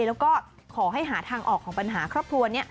แล้วก็ขอให้หาทางออกของปัญหาครอบครัวนี้